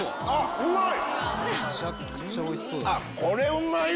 うまい！